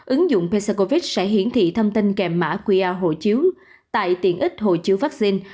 ứng dụng pccovid sẽ hiển thị thông tin kèm mã qr hộ chiếu tại tiện ích hộ chiếu vắc xin